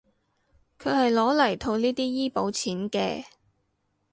佢係攞嚟套呢啲醫保錢嘅